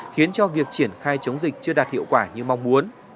khiến cho việc triển khai chống dịch chưa đạt hiệu quả như mong muốn